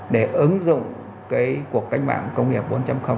để ứng dụng cái cuộc cách mạng công nghiệp bốn